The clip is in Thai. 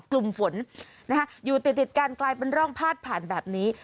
กลุ่มฝนอยู่ติดกันกลายเป็นร่องพาดผ่านแบบนี้